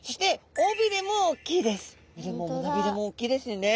尾びれも胸びれも大きいですよね。